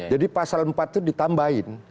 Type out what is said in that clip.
jadi pasal empat itu ditambahin